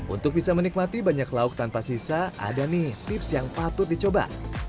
untuk bisa menikmati banyak lauk tanpa sisa ada nih tips yang patut dicoba